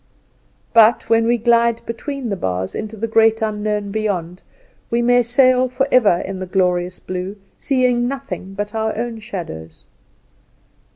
But, when we glide between the bars into the great unknown beyond, we may sail forever in the glorious blue, seeing nothing but our own shadows.